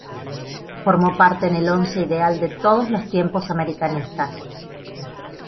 Formó parte en el once ideal de todos los tiempos americanistas.